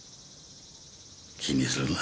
気にするな。